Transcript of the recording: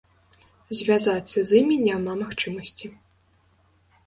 Звязацца з імі няма магчымасці.